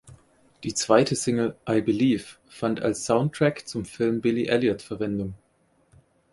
Die zweite Single "I Believe" fand als Soundtrack zum Film Billy Elliot Verwendung.